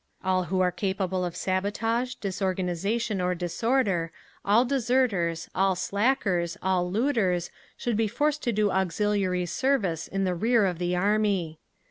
"All who are capable of sabotage, disorganisation, or disorder, all deserters, all slackers, all looters, should be forced to do auxiliary service in the rear of the Army….